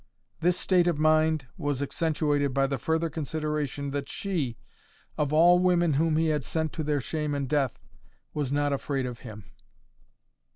This state of mind was accentuated by the further consideration that she, of all women whom he had sent to their shame and death, was not afraid of him.